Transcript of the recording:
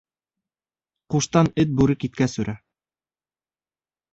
Ҡуштан эт бүре киткәс өрә.